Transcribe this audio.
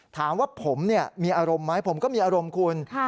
ถามว่าผมมีอารมณ์ไหมผมก็มีอารมณ์คุณ